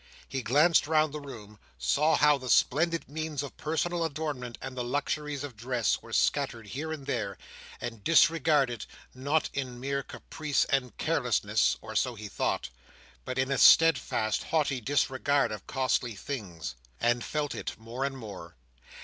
He glanced round the room: saw how the splendid means of personal adornment, and the luxuries of dress, were scattered here and there, and disregarded; not in mere caprice and carelessness (or so he thought), but in a steadfast haughty disregard of costly things: and felt it more and more.